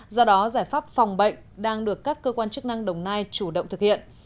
do đó giải pháp phòng bệnh đang được các cơ quan chức năng đồng nai chủ động thực hiện